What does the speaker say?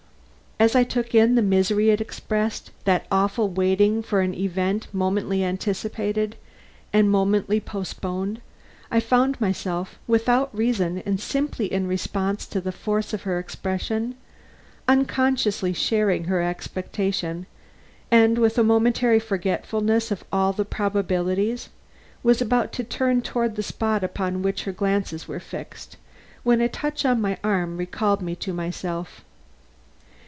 As I took in the misery it expressed, that awful waiting for an event momently anticipated, and momently postponed, I found myself, without reason and simply in response to the force of her expression, unconsciously sharing her expectation, and with a momentary forgetfulness of all the probabilities, was about to turn toward the spot upon which her glances were fixed, when a touch on my arm recalled me to myself.